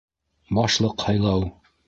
БАШЛЫҠ ҺАЙЛАУ